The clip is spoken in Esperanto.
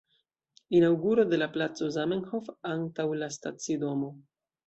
Inaŭguro de la placo Zamenhof antaŭ la stacidomo.